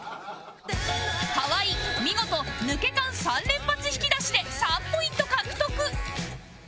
河井見事「抜け感」３連発引き出しで３ポイント獲得